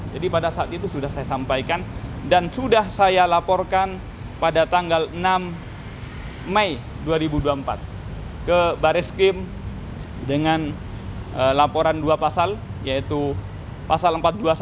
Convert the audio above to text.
jadi pada saat itu sudah saya sampaikan dan sudah saya laporkan pada tanggal enam mei dua ribu dua puluh empat ke baris krim dengan laporan dua pasal yaitu pasal empat ratus dua puluh satu